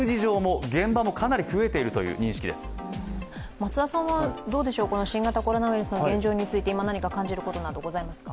松田さんは新型コロナウイルスの現状について今、何か感じることなどございますか？